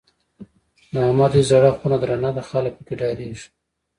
د احمد دی زړه خونه درنه ده؛ خلګ په کې ډارېږي.